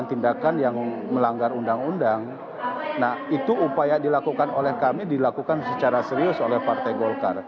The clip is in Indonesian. terima kasih pak